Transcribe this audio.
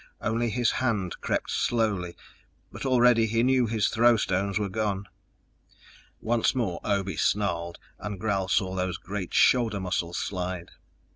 Only his hand crept slowly, but already he knew his throw stones were gone. Once more Obe snarled, and Gral saw those great shoulder muscles slide.